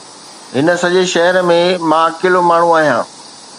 هن سڄي شهر ۾، مان اڪيلو ماڻهو آهيان.